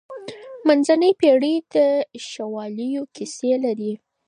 منځنۍ پېړۍ د شواليو کيسې لري.